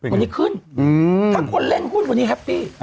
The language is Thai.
วันนี้ขึ้นถ้าคนเล่นหุ้นวันนี้แฮปปี้